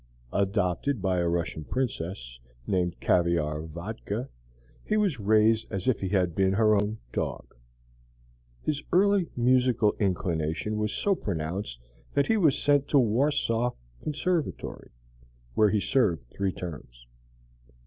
Adopted by a Russian Princess, named Caviar Vodka, he was raised as if he had been her own dog. His early musical inclination was so pronounced that he was sent to the Warsaw Conservatory, where he served three terms.